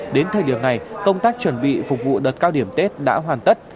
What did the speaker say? đến thời điểm này công tác chuẩn bị phục vụ đợt cao điểm tết đã hoàn tất